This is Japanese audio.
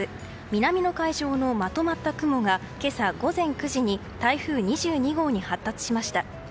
南の海上のまとまった雲が今朝午前９時に台風２２号に発達しました。